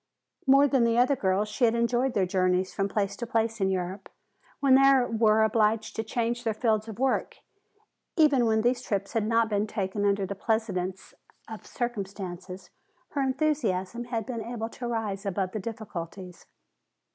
More than the other girls she had enjoyed their journeys from place to place in Europe, when they were obliged to change their fields of work. Even when these trips had not been taken under the pleasantest conditions her enthusiasm had been able to rise above the difficulties.